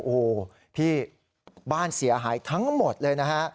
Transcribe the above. โอ้โหพี่บ้านเสียหายทั้งหมดเลยนะฮะ